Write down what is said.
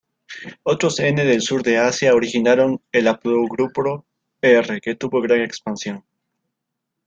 Otros N del Sur de Asia originaron el haplogrupo R que tuvo gran expansión.